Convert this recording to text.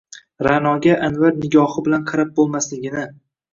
Ra’noga Anvvar nigohi bilan qarab bo’lmasligini